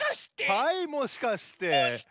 はいもしかして！